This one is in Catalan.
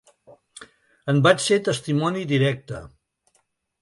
En vaig ser testimoni directe.